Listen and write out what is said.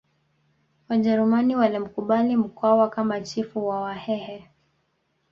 Wajerumani walimkubali Mkwawa kama chifu wa Wahehe